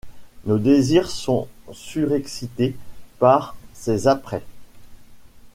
Nos désirs sont surexcités par ces apprêts.